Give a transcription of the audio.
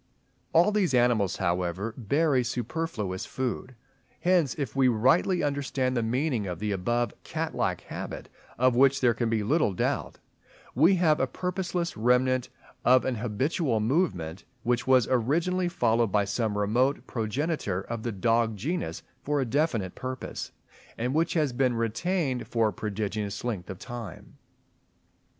All these animals, however, bury superfluous food. Hence, if we rightly understand the meaning of the above cat like habit, of which there can be little doubt, we have a purposeless remnant of an habitual movement, which was originally followed by some remote progenitor of the dog genus for a definite purpose, and which has been retained for a prodigious length of time.